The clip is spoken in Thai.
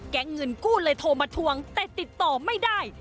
เงินกู้เลยโทรมาทวงแต่ติดต่อไม่ได้